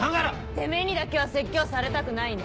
てめぇにだけは説教されたくないね。